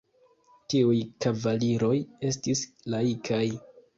Tiuj kavaliroj estis laikaj.